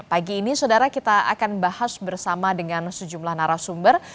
pagi ini saudara kita akan bahas bersama dengan sejumlah narasumber